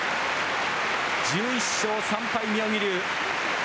１１勝３敗・妙義龍。